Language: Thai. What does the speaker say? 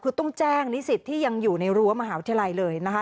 คือต้องแจ้งนิสิตที่ยังอยู่ในรั้วมหาวิทยาลัยเลยนะคะ